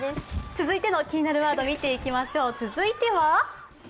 続いての気になるワード見ていきましょう。